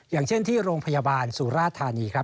อย่างเช่นที่โรงพยาบาลสุราธานีครับ